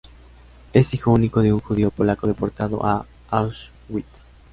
Es hijo único de un judío polaco deportado a Auschwitz.